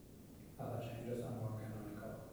Other changes are more canonical.